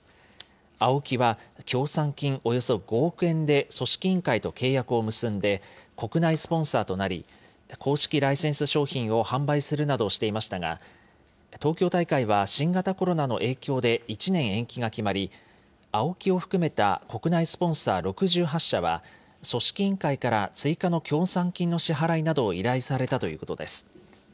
ＡＯＫＩは協賛金およそ５億円で組織委員会と契約を結んで、国内スポンサーとなり、公式ライセンス商品を販売するなどしていましたが、東京大会は新型コロナの影響で１年延期が決まり、ＡＯＫＩを含めた国内スポンサー６８社は、組織委員会から追加の協賛金の支払いなどを依頼されたということです。